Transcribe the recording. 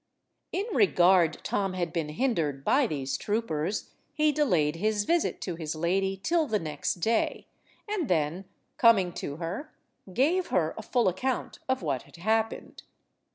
In regard Tom had been hindered by these troopers, he delayed his visit to his lady till the next day, and then, coming to her, gave her a full account of what had happened.